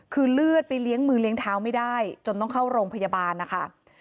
คือเลือดไปเลี้ยงมือเลี้ยงเท้าไม่ได้จนต้องเข้าโรงพยาบาลนะคะ